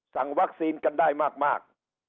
สั่งวัคซีนกันได้มาก